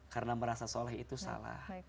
karena merasa soleh itu salah